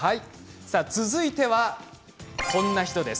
続いてはこんな人です。